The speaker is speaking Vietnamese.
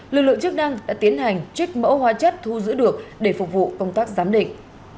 lực lượng chức năng đã tiến hành trích mẫu hoa chất thu giữ được để phục vụ công tác giám định